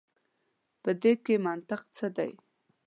په دې کي منطق څه دی.